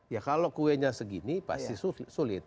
ya kalau kuenya segini pasti sulit